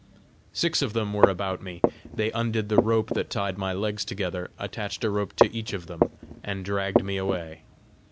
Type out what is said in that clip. Six of them were about me. They undid the rope that tied my legs together, attached a rope to each of them, and dragged me away.